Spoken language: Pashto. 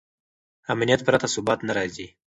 امنیت پرته ثبات نه راځي.